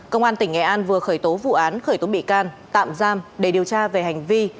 công an tỉnh nghệ an vừa khởi tố vụ án khởi tố bị can tạm giam để điều tra về hành vi